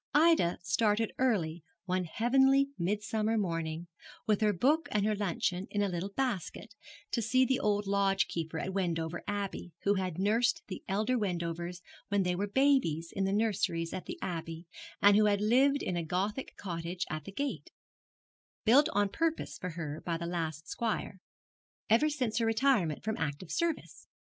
Ida started early one heavenly midsummer morning, with her book and her luncheon in a little basket, to see the old lodge keeper at Wendover Abbey, who had nursed the elder Wendovers when they were babies in the nurseries at the Abbey, and who had lived in a Gothic cottage at the gate built on purpose for her by the last squire ever since her retirement from active service.